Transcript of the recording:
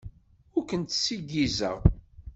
Ur kent-ssiggizeɣ.